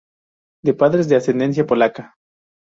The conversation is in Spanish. De padres de ascendencia polaca.